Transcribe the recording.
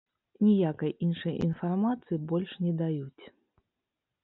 Ніякай іншай інфармацыі больш не даюць.